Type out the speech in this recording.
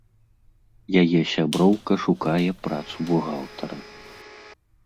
Яе сяброўка шукае працу бухгалтара.